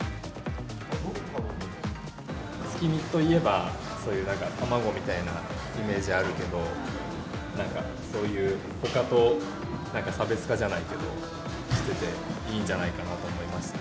月見といえば、そういうなんか、卵みたいなイメージあるけど、なんかそういう、ほかと差別化じゃないけど、してて、いいんじゃないかなと思いました。